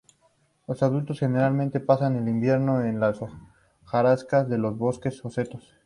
Los adultos generalmente pasan el invierno en la hojarasca de los bosques o setos.